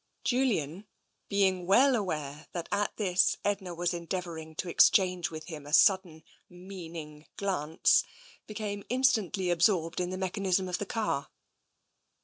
Julian, being well aware that at this Edna was en deavouring to exchange with him a sudden, meaning glance, became instantly absorbed in the mechanism of the car.